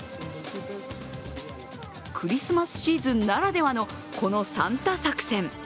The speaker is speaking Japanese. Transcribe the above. クリスマスシーズンならではのこのサンタ作戦。